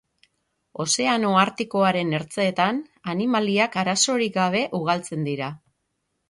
Ozeano Artikoaren ertzeetan, animaliak arazorik gabe ugaltzen dira.